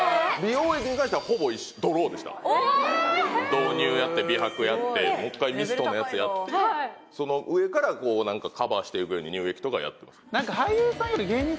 導入やって美白やってもう一回ミストのやつやってはいその上からこうなんかカバーしていくように乳液とかやってます